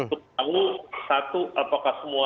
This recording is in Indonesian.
untuk tahu satu apakah semua